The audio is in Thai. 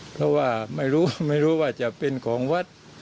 เพราะว่าไม่รู้ว่าจะเป็นของวัด